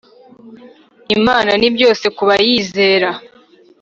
Imana ni byose kuba yizera